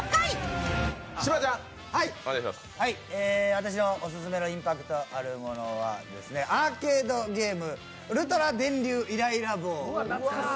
私のオススメのインパクトがあるものはアーケードゲームウルトラ電流イライラ棒です。